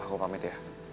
aku pamit ya